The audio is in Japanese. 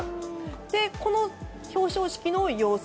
この表彰式の様子